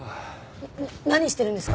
何してるんですか？